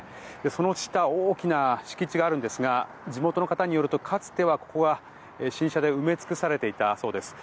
その下大きな敷地があるんですが地元の方によるとかつてはここは新車で埋め尽くされていたそうです。